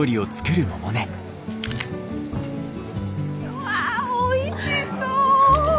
うわおいしそう！